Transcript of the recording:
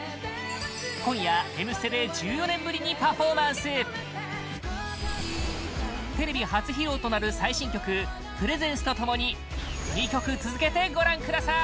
今夜、「Ｍステ」で１４年ぶりにパフォーマンステレビ初披露となる最新曲「Ｐｒｅｓｅｎｃｅ」と共に２曲続けてご覧ください！